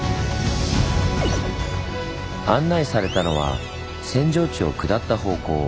案内されたのは扇状地を下った方向。